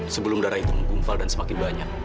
sebelum darah itu menggumpal dan semakin banyak